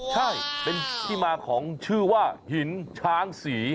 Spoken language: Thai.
ใช่เป็นที่มาของชื่อว่าหินช้างศรี